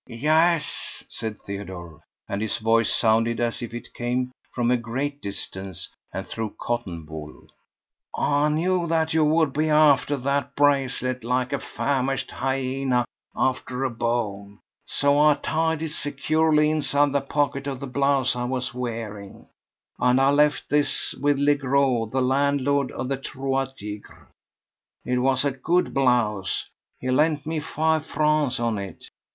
"Yes," said Theodore, and his voice sounded as if it came from a great distance and through cotton wool, "I knew that you would be after that bracelet like a famished hyena after a bone, so I tied it securely inside the pocket of the blouse I was wearing, and left this with Legros, the landlord of the Trois Tigres. It was a good blouse; he lent me five francs on it.